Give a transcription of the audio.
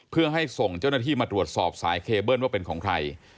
เพื่อให้ส่งเจ้าหน้าที่มาตรวจสอบสายเคเบิ้ลว่าเป็นของใคร